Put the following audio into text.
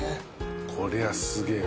こりゃあすげえわ。